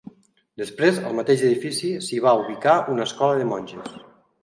Després, al mateix edifici, s'hi va ubicar una escola de monges.